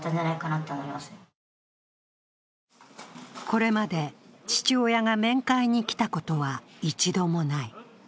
これまで父親が面会に来たことは一度もない。